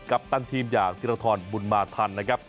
ปตันทีมอย่างธิรทรบุญมาทันนะครับ